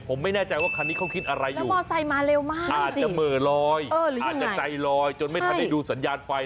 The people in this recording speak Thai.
ผมไม่แน่ใจว่าคันนี้เขาคิดอะไรอยู่อาจจะเมอร์ลอยอาจจะใจลอยจนไม่ทันได้ดูสัญญาณไฟ